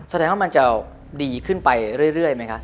แสดงว่ามันจะดีขึ้นไปเรื่อยไหมคะ